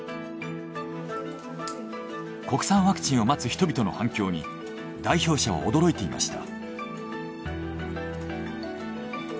国産ワクチンを待つ人々の反響に代表者は驚いていました。